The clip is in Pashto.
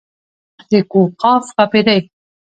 د کوه قاف ښاپېرۍ.